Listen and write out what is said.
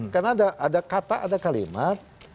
karena ada kata ada kalimat